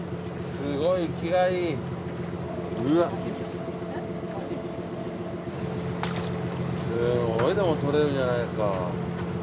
すごいでも獲れるじゃないですか。